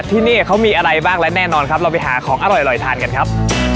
ที่นี่เขามีอะไรบ้างและแน่นอนครับเราไปหาของอร่อยทานกันครับ